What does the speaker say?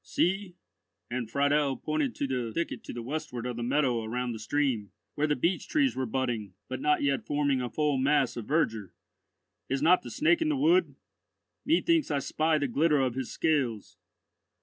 "See," and Friedel pointed to the thicket to the westward of the meadow around the stream, where the beech trees were budding, but not yet forming a full mass of verdure, "is not the Snake in the wood? Methinks I spy the glitter of his scales."